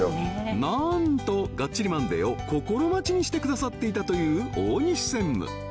なんと「がっちりマンデー！！」を心待ちにしてくださっていたという大西専務